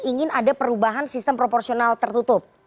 ingin ada perubahan sistem proporsional tertutup